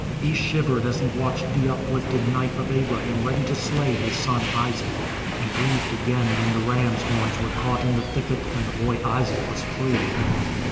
He shivered as he watched the uplifted knife of Abraham ready to slay his son Isaac, and breathed again when the ram's horns were caught in the thicket and the boy Isaac was free.